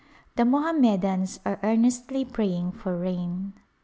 The Mohammedans are earnestly praying for rain.